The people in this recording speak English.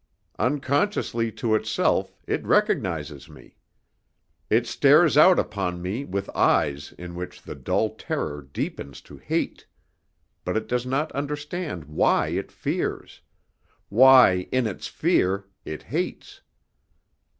Unconsciously to itself, it recognises me. It stares out upon me with eyes in which the dull terror deepens to hate; but it does not understand why it fears why, in its fear, it hates.